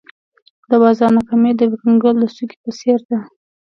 د بازار ناکامي د یو کنګل د څوکې په څېر ده.